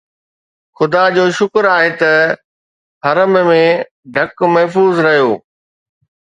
خدا جو شڪر آهي ته حرم جو ڍڪ محفوظ رهيو